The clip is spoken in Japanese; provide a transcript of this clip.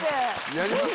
やります？